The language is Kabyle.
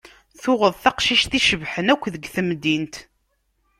Tuɣeḍ taqcict icebḥen akk deg temdint.